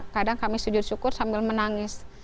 kadang kami sujud syukur sambil menangis